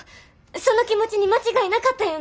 その気持ちに間違いなかったんやないの？